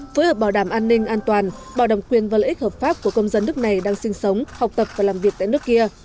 phối hợp bảo đảm an ninh an toàn bảo đảm quyền và lợi ích hợp pháp của công dân nước này đang sinh sống học tập và làm việc tại nước kia